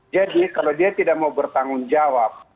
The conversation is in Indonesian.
jadi kalau dia tidak mau bertanggung jawab